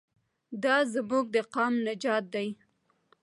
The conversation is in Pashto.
دا زموږ د قام نجات دی.